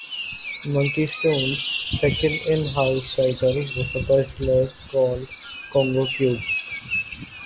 Monkeystone's second in-house title was a puzzler called "Congo Cube".